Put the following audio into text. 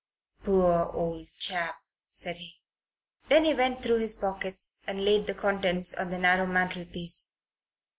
"Poor old chap!" said he. Then he went through his pockets and laid the contents on the narrow mantel piece.